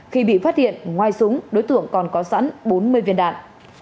khi bị phát hiện ngoài súng đối tượng còn có sẵn bốn mươi viên đạn